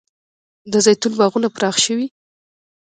د زیتون باغونه پراخ شوي؟